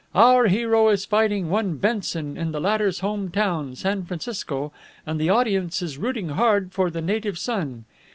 Our hero is fighting one Benson in the latter's home town, San Francisco, and the audience is rooting hard for the native son.